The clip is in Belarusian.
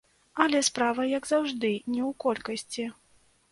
Але справа, як заўжды, не ў колькасці.